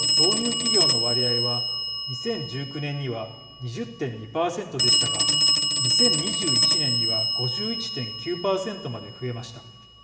企業の割合は２０１９年には２０．２％でしたが２０２１年には５１．９％まで増えました。